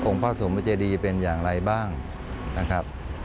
พระสมเจดีเป็นอย่างไรบ้างนะครับ